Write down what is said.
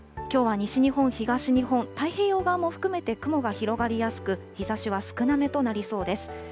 きょうは西日本、東日本、太平洋側も含めて雲が広がりやすく、日ざしは少なめとなりそうです。